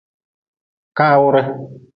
Kaawre.